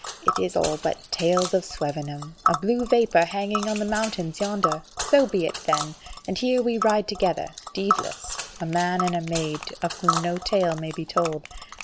It is all but tales of Swevenham, a blue vapour hanging on the mountains yonder! So be it then! And here we ride together, deedless, a man and a maid of whom no tale may be told.